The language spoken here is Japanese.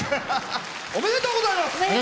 おめでとうございます！